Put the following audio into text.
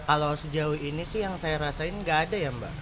kalau sejauh ini sih yang saya rasain nggak ada ya mbak